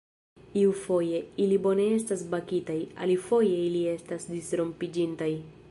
Iufoje ili bone estas bakitaj, alifoje ili estas disrompiĝintaj.